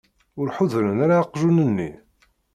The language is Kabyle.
Ur ḥudren ara aqjun-nni?